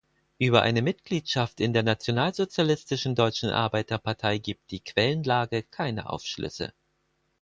Über eine Mitgliedschaft in der Nationalsozialistischen Deutschen Arbeiterpartei gibt die Quellenlage keine Aufschlüsse.